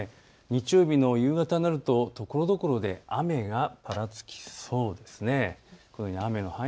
日曜日の夕方になるとところどころで雨がぱらつきそうですね。